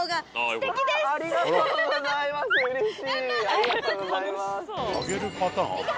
ありがとうございます。